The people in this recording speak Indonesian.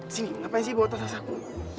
sini ngapain sih bawa tas aku